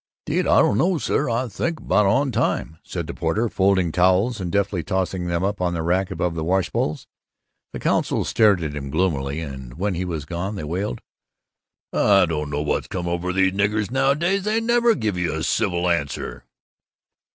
"'Deed, I don't know, sir. I think we're about on time," said the porter, folding towels and deftly tossing them up on the rack above the washbowls. The council stared at him gloomily and when he was gone they wailed: "I don't know what's come over these niggers, nowadays. They never give you a civil answer."